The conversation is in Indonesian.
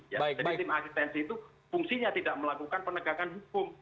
jadi tim asistensi itu fungsinya tidak melakukan penegakan hukum